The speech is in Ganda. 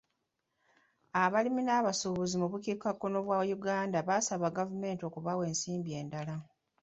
Abalimi n'abalunzi mu bukiikakkono bwa Uganda baasaba gavumenti okubawa ensimbi endala.